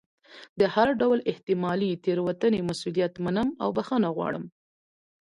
د هر ډول احتمالي تېروتنې مسؤلیت منم او بښنه غواړم.